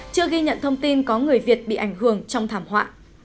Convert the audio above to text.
chưa ghi nhận thông tin có người việt bị ảnh hưởng trong thảm họa